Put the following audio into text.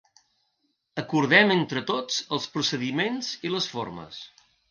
Acordem entre tots els procediments i les formes.